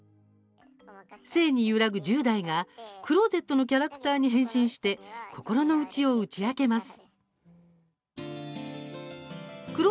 性に揺らぐ１０代がクローゼットのキャラクターに変身して心の内を打ち明けます。